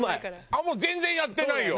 あっもう全然やってないよ。